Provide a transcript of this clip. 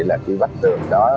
là cái bắt trường đó